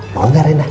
mau gak rena